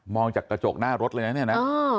จากกระจกหน้ารถเลยนะเนี่ยนะ